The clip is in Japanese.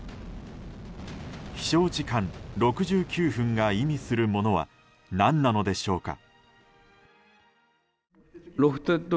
飛翔時間６９分が意味するものは何なのでしょうか。